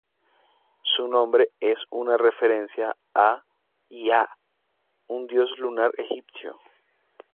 Su nombre es una referencia a Iah, un dios lunar egipcio.